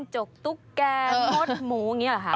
จิ้มจกตุ๊กแก่หมดหมูอย่างเงี้ยเหรอครับ